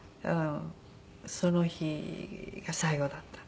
その日が最後だった。